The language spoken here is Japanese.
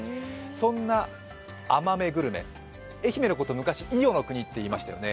そんな甘めグルメ、愛媛のことを昔、伊予の国と言いましたよね。